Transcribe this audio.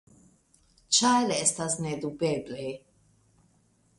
Ĉar estas nedubeble.